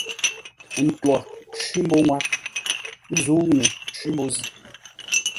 Ə ntwor cwí mbô ŋwár zə̂u ŋuu cwí mbô zʉ́.